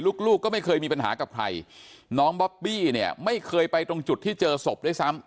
ลูกลูกก็ไม่เคยมีปัญหากับใครน้องบอบบี้เนี่ยไม่เคยไปตรงจุดที่เจอศพด้วยซ้ำ